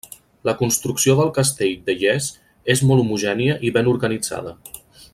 La construcció del castell de Llers ces molt homogènia i ben organitzada.